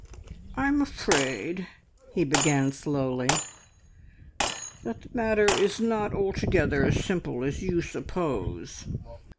"I'm afraid," he began slowly, "that the matter is not altogether as simple as you suppose.